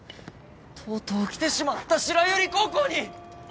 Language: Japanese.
とうとう来てしまった白百合高校に！